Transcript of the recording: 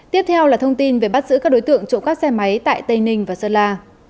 tiếp theo là thông tin về bắt giữ các đối tượng trộm cắp xe máy tại tây ninh và sơn la